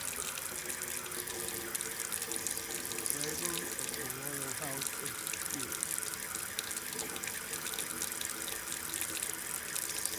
The "cradle" is the royal House of Stuart.